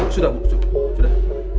sudah bu sudah